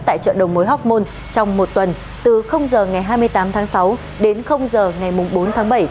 tại chợ đầu mối học môn trong một tuần từ h ngày hai mươi tám tháng sáu đến giờ ngày bốn tháng bảy